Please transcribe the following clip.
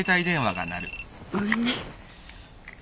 ごめんね。